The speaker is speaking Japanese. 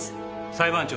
裁判長。